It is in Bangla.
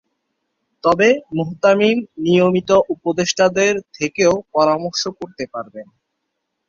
তবে মুহতামিম নিয়মিত উপদেষ্টাদের থেকেও পরামর্শ করতে পারবেন।